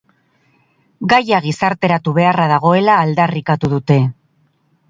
Gaia gizarteratu beharra dagoela aldarrikatu dute.